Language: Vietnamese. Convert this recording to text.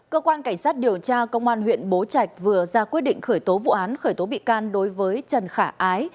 cơ quan cảnh sát điều tra công an huyện bố trạch vừa ra quyết định khởi tố vụ án khởi tố bị can đối với trần khả ái